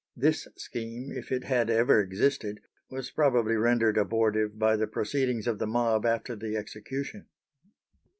This scheme, if it had ever existed, was probably rendered abortive by the proceedings of the mob after the execution.